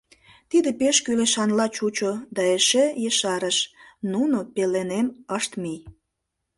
— Тиде пеш кӱлешанла чучо да эше ешарыш: «Нуно пеленем ышт мий.